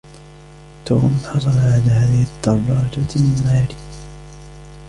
توم حصل على هذه الدراجة من ماري.